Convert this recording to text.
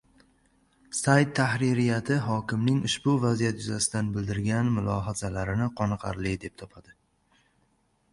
Sayt tahririyati hokimning ushbu vaziyat yuzasidan bildirgan mulohazalarini qoniqarli deb topadi.